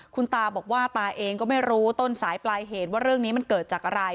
คุณตาบอกว่าตาเองก็ไม่รู้ต้นสายปลายเหตุว่าเรื่องนี้มันเกิดจากอะไร